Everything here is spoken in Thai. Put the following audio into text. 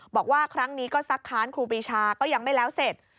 บอกว่าครั้งนี้ก็ซักค้านครูปีชาก็ยังไม่แล้วเสร็จ